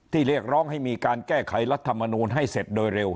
เรียกร้องให้มีการแก้ไขรัฐมนูลให้เสร็จโดยเร็ว